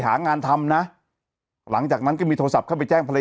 ยังไงยังไงยังไงยังไงยังไงยังไง